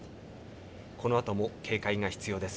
このあとも警戒が必要です。